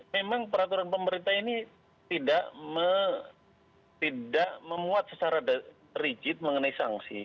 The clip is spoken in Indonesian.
memang peraturan pemerintah ini tidak memuat secara rigid mengenai sanksi